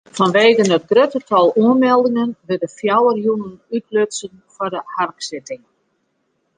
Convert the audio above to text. Fanwegen it grutte tal oanmeldingen wurde fjouwer jûnen útlutsen foar de harksitting.